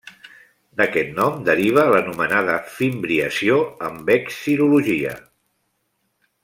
D'aquest nom deriva l'anomenada fimbriació en vexil·lologia.